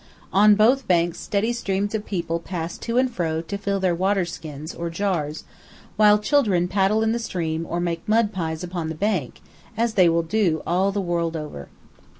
On both banks steady streams of people pass to and fro to fill their water skins or jars, while children paddle in the stream or make mud pies upon the bank as they will do all the world over.